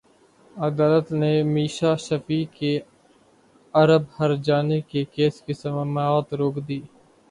عدالت نے میشا شفیع کے ارب ہرجانے کے کیس کی سماعت روک دی